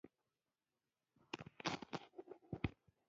د زابل په دایچوپان کې څه شی شته؟